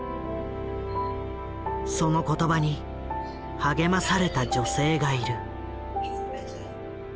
その言葉に励まされた女性がいる。